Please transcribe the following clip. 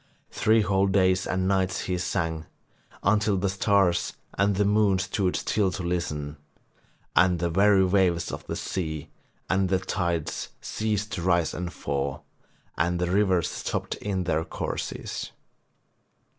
Three whole days and nights he sang, until the stars and the moon stood still to listen, and the very waves of the sea and the tides ceased to rise and fall, and the rivers stopped in their courses.